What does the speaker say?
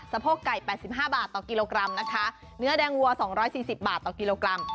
โพกไก่๘๕บาทต่อกิโลกรัมนะคะเนื้อแดงวัว๒๔๐บาทต่อกิโลกรัม